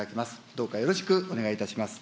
どうかよろしくお願いいたします。